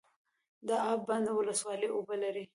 د اب بند ولسوالۍ اوبه لري